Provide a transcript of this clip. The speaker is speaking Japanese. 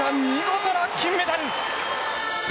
見事な金メダル！